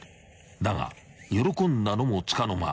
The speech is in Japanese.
［だが喜んだのもつかの間］